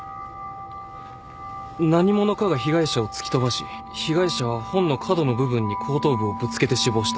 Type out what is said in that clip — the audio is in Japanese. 何者かが被害者を突き飛ばし被害者は本の角の部分に後頭部をぶつけて死亡した。